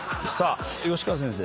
吉川先生